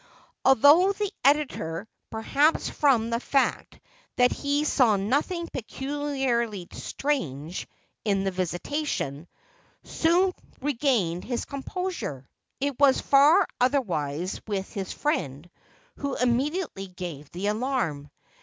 Although the editor perhaps from the fact that he saw nothing peculiarly strange in the visitation soon regained his composure, it was far otherwise with his friend, who immediately gave the alarm.